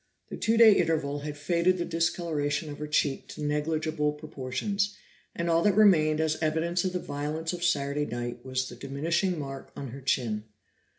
The two day interval had faded the discoloration of her cheek to negligible proportions, and all that remained as evidence of the violence of Saturday night was the diminishing mark on her chin.